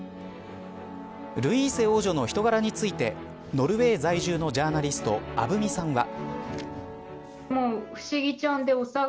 ルイーセ王女の人柄についてノルウェー在住のジャーナリスト鐙さんは。